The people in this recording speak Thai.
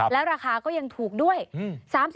และราคาก็ยังถูกด้วย๓๕บาท